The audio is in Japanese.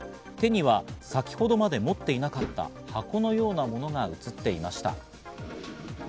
手には先程まで持っていなかった箱のようなものが映っていました。